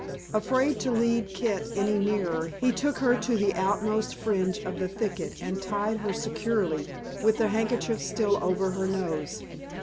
Afraid to lead Kit any nearer he took her to the outmost fringe of the thicket and tied her securely, with the handkerchief still over her nose.